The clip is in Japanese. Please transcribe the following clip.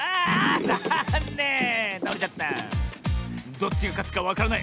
どっちがかつかわからない。